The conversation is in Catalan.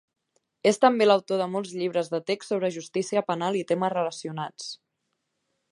És també l'autor de molts llibres de text sobre justícia penal i temes relacionats.